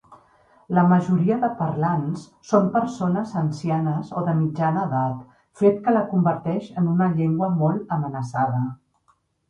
La majoria de parlants són persones ancianes o de mitjana edat, fet que la converteix en una llengua molt amenaçada.